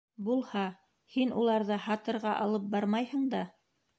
Булһа! һин уларҙы һатырға алып бармайһың да!